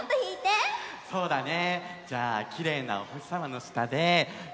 そうだね。